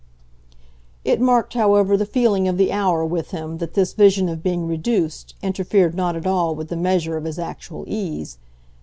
It marked, however, the feeling of the hour with him that this vision of being "reduced" interfered not at all with the measure of his actual ease.